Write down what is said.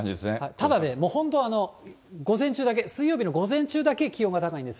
ただね、もう本当、午前中だけ、水曜日の午前中だけ気温が高いんです。